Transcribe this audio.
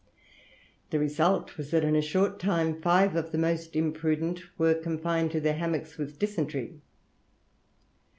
The result was that in a short time five of the most imprudent were confined to their hammocks with dysentery.